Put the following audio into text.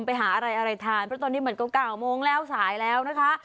ไปหาอะไรอะไรทานเพราะตอนนี้มันก็๙โมงแล้วสายแล้วนะคะ